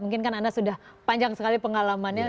mungkin kan anda sudah panjang sekali pengalamannya